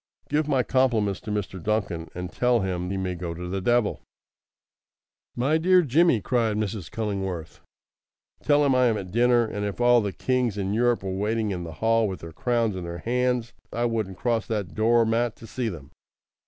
"Give my compliments to Mr. Duncan, and tell him he may go to the devil!" "My dear Jimmy!" cried Mrs. Cullingworth. "Tell him I am at dinner; and if all the kings in Europe were waiting in the hall with their crowns in their hands I wouldn't cross that door mat to see them."